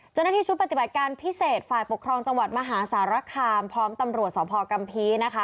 เจ้าหน้าที่ชุดปฏิบัติการพิเศษฝ่ายปกครองจังหวัดมหาสารคามพร้อมตำรวจสพกัมภีร์นะคะ